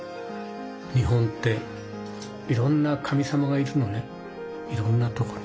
日本っていろんな神様がいるのねいろんなとこに。